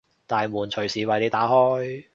大門隨時為你打開